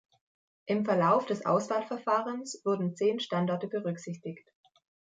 Im Verlauf des Auswahlverfahrens wurden zehn Standorte berücksichtigt.